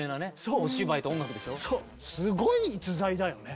すごい逸材だよね。